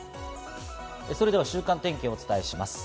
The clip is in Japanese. それでは週間天気をお伝えします。